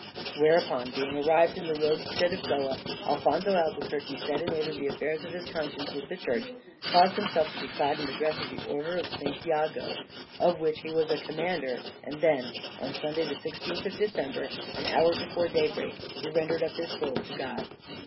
Whereupon, being arrived in the roadstead of Goa, Alfonzo Albuquerque set in order the affairs of his conscience with the Church, caused himself to be clad in the dress of the Order of St. Iago of which he was a commander, and then "on Sunday the 16th of December, an hour before daybreak, he rendered up his soul to God.